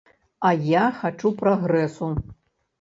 А я хачу прагрэсу.